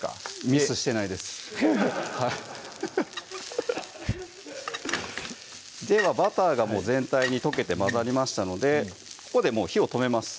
ミスしてないですではバターがもう全体に溶けて混ざりましたのでここでもう火を止めます